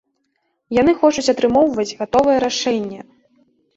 Яны хочуць атрымоўваць гатовае рашэнне.